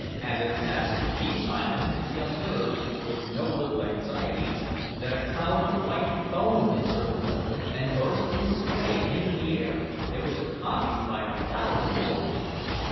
As it passed these islands we observed, with no little anxiety, that a cloud of white foam encircled them, and burst in spray into the air; it was accompanied by a loud roar.